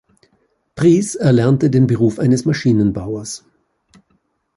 Priess erlernte den Beruf eines Maschinenbauers.